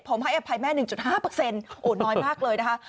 ผมให้อภัยแม่หนึ่งจุดห้าเปอร์เซ็นต์โอ้ยน้อยมากเลยนะคะ